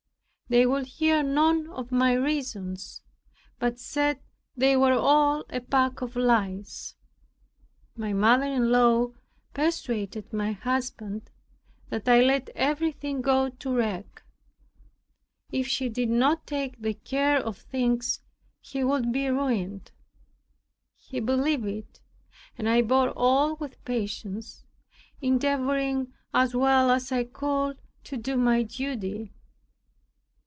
They would hear none of my reasons, but said, "they were all a pack of lies." My mother in law persuaded my husband that I let everything go to wreck. If she did not take the care of things he would be ruined. He believed it, and I bore all with patience, endeavoring, as well as I could, to do my duty.